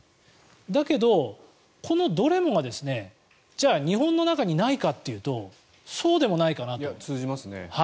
だけど、このどれもがじゃあ日本の中にないかというとそうでもないかなと。通じますね。